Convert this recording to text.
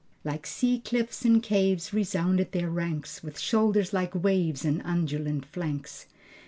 Like sea cliffs and caves resounded their ranks With shoulders like waves, and undulant flanks.